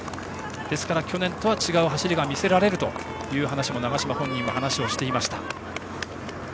ですから去年とは違う走りを見せられるという話を長嶋本人も話をしていました。